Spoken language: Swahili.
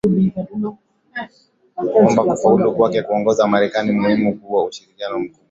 wamba kufaulu kwake kuongoza marekani ni muhimu kuwa na ushirikiano mkubwa